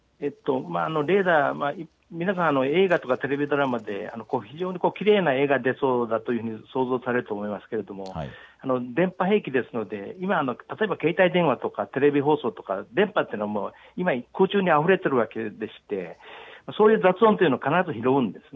レーダー、皆さん、映画とかテレビドラマで非常にきれいな絵が出そうだということを想像されますが電波兵器ですので今、携帯電話とかテレビ放送とか電波というのは今、あふれているわけでして、そういう雑音というのを必ず拾うんです。